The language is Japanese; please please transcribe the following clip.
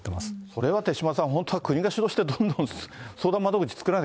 これは手嶋さん、本当は国が主導して、どんどん相談窓口作ら